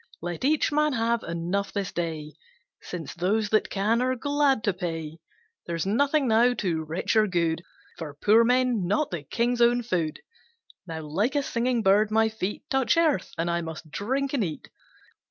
Let each man have enough this day, Since those that can are glad to pay; There's nothing now too rich or good For poor men, not the King's own food. Now like a singing bird my feet Touch earth, and I must drink and eat.